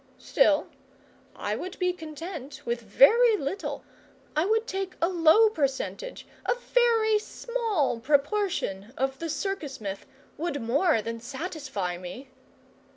Still, I would be content with very little, I would take a low percentage a very small proportion of the circus myth would more than satisfy me.